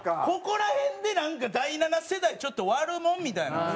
ここら辺でなんか第七世代ちょっと悪者みたいな。